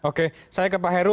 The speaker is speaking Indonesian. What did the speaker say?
oke saya ke pak heru